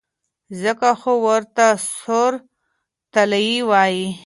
ځکه خو ورته سور طلا وايي.